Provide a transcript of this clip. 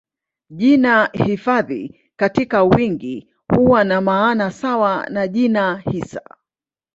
Jina hifadhi katika wingi huwa na maana sawa na jina hisa.